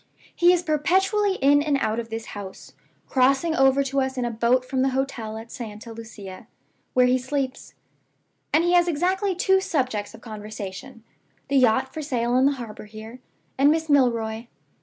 He is perpetually in and out of this house (crossing over to us in a boat from the hotel at Santa Lucia, where he sleeps); and he has exactly two subjects of conversation the yacht for sale in the harbor here, and Miss Milroy.